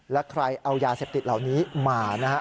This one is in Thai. แล้วใครเอายาเสพติดเหล่านี้มานะฮะ